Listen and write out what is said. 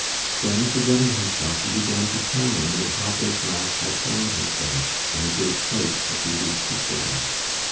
Then, forgetting himself, he began to tell Maimie how Big Mack had borne himself in the great fight a few weeks before.